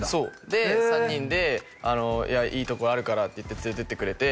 で３人で「いいとこあるから」って言って連れてってくれて。